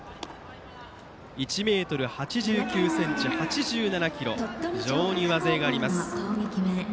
１ｍ８９ｃｍ、８７ｋｇと非常に上背があります。